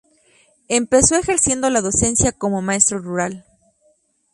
Empezó ejerciendo la docencia como maestro rural.